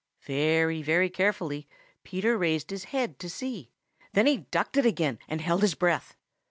Very, very carefully Peter raised his head to see. Then he ducked it again and held his breath.